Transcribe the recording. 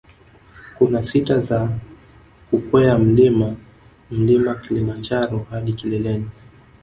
Kuna sita za kukwea mlima mlima kilimanjaro hadi kileleni